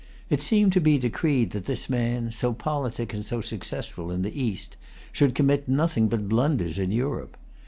It seemed to be decreed that this man, so politic and so successful in the East, should commit nothing but blunders in Europe.